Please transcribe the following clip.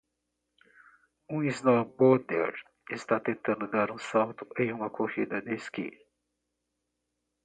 Um snowboarder está tentando dar um salto em uma corrida de esqui